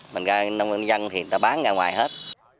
bên cạnh nông dân thì người ta bán ra ngoài hết